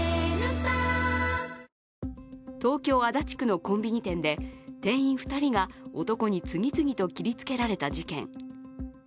東京・足立区のコンビニ店で店員２人が男に次々と切りつけられた事件